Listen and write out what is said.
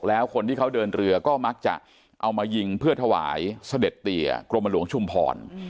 แล้วคนที่เขาเดินเรือก็มักจะเอามายิงเพื่อถวายเสด็จเตียกรมหลวงชุมพร